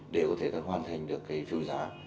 để có thể hoàn thành được cái phiêu giá